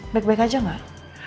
baik baik aja gak